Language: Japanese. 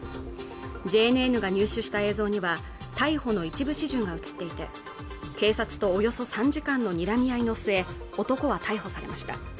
ＪＮＮが入手した映像には逮捕の一部始終が映っていて警察とおよそ３時間の睨み合いの末男は逮捕されました